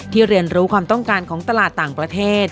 เรียนรู้ความต้องการของตลาดต่างประเทศ